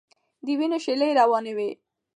د وینو شېلې روانې وې.